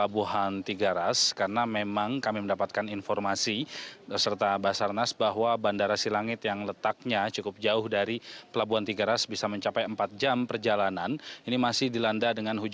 bagaimana pengetahuan anda